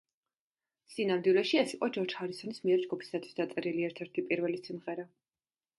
სინამდვილეში, ეს იყო ჯორჯ ჰარისონის მიერ ჯგუფისათვის დაწერილი ერთ-ერთი პირველი სიმღერა.